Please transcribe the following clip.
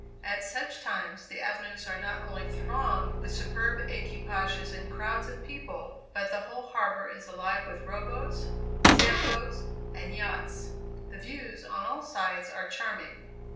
At such times the avenues are not only thronged with superb equipages and crowds of people, but the whole harbor is alive with row boats, sail boats and yachts. The views on all sides are charming.